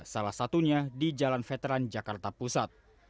salah satunya di jalan veteran jakarta pusat